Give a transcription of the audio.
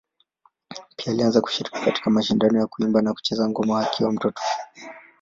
Pia alianza kushiriki katika mashindano ya kuimba na kucheza ngoma akiwa mtoto.